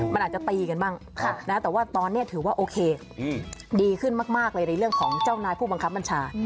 มันอาจจะตีกันบ้างแต่ว่าตอนนี้ถือว่าโอเคดีขึ้นมากเลยในเรื่องของเจ้านายผู้บังคับบัญชา